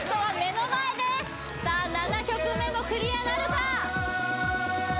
さあ７曲目もクリアなるか？